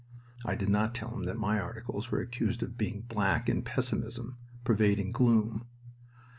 (I did not tell him that my articles were accused of being black in pessimism, pervading gloom.)